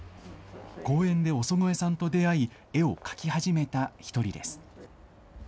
公園で尾曽越さんと出会い、絵を描き始めた一人です。